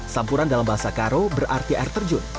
sampuran dalam bahasa karo berarti air terjun